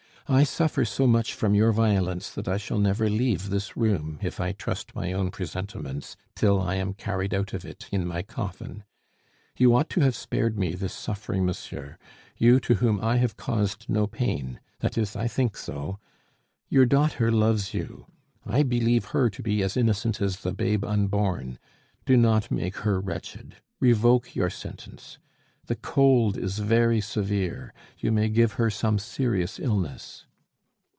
"I suffer so much from your violence that I shall never leave this room, if I trust my own presentiments, till I am carried out of it in my coffin. You ought to have spared me this suffering, monsieur, you, to whom I have caused no pain; that is, I think so. Your daughter loves you. I believe her to be as innocent as the babe unborn. Do not make her wretched. Revoke your sentence. The cold is very severe; you may give her some serious illness."